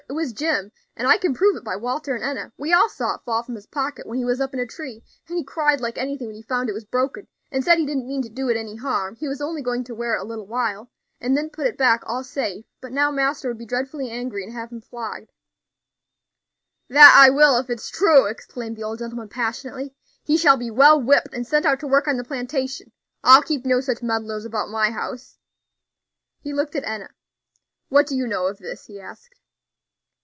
It was Jim, and I can prove it by Walter and Enna; we all saw it fall from his pocket when he was up in a tree; and he cried like anything when he found it was broken, and said he didn't mean to do it any harm; he was only going to wear it a little while, and then put it back all safe; but now master would be dreadfully angry, and have him flogged." "That I will, if it is true," exclaimed the old gentleman, passionately; "he shall be well whipped and sent out to work on the plantation. I'll keep no such meddlers about my house." He looked at Enna. "What do you know of this?" he asked.